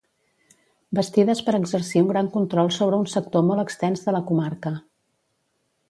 Bastides per exercir un gran control sobre un sector molt extens de la comarca.